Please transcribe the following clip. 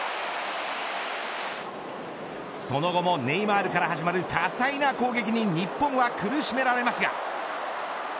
その後もネイマールから始まる多彩な攻撃に日本は苦しめられますが。